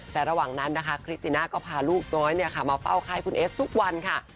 แต่ระหว่างนั้นนะคะคริสติน่าก็พาลูกน้อยมาเฝ้าไข้คุณเอสทุกวันค่ะ